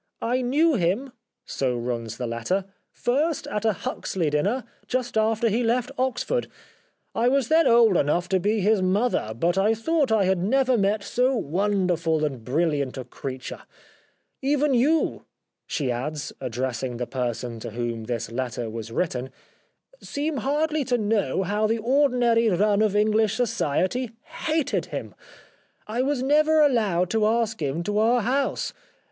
" I knew him," so runs the letter, " first at a Huxley dinner, just after he left Oxford. I was then old enough to be his mother, but I thought I had never met so wonderful and brilliant a creature. ... Even you," she adds, addressing the person to whom this letter was written, " seem hardly to know how the ordinary run of English society hated him. I was never allowed to ask him to our house.